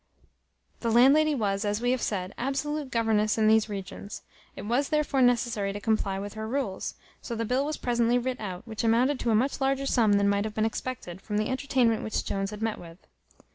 The landlady was, as we have said, absolute governess in these regions; it was therefore necessary to comply with her rules; so the bill was presently writ out, which amounted to a much larger sum than might have been expected, from the entertainment which Jones had met with.